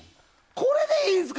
これでいいんですか？